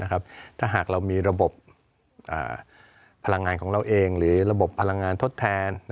ถ้าหากเรามีระบบพลังงานของเราเองหรือระบบพลังงานทดแทน